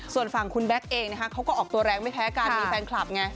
ส่วนฝั่งคุณแบ็คเองนะคะเขาก็ออกตัวแรงไม่แพ้กันมีแฟนคลับไง